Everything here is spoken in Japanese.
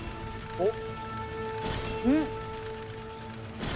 おっ！